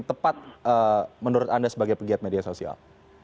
tepat menurut anda sebagai pegiat media sosial